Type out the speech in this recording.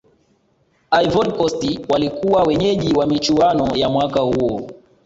ivory coast walikuwa wenyeji wa michuano ya mwaka huo